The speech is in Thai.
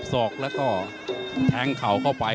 สูง๑๗๙เซนติเมตรครับ